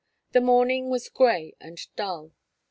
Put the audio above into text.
The morning was gray and dull.